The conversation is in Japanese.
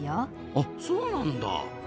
あそうなんだ。